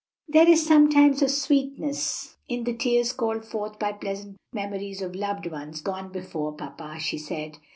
"There is sometimes a sweetness in the tears called forth by pleasant memories of loved ones gone before, papa," she said.